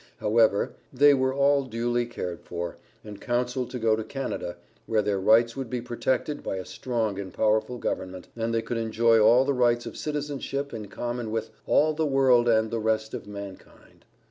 However, they were all duly cared for, and counselled to go to Canada, where their rights would be protected by a strong and powerful government, and they could enjoy all the rights of citizenship in common with "all the world and the rest of mankind."